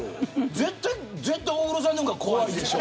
絶対に大黒さんの方が怖いでしょ。